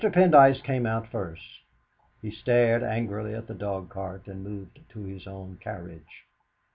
Pendyce came out first; he stared angrily at the dogcart, and moved to his own carriage.